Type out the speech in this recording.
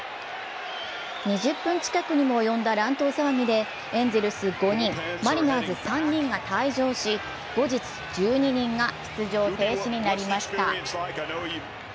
２０分近くにも及んだ乱闘騒ぎでエンゼルス５人マリナーズ３人が退場し後日、１２人が出場停止になりました